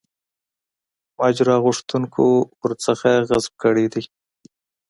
ماجرا غوښتونکو ورڅخه غصب کړی دی.